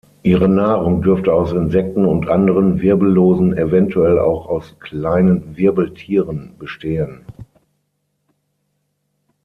Ihre Nahrung dürfte aus Insekten und anderen Wirbellosen, eventuell auch aus kleinen Wirbeltieren bestehen.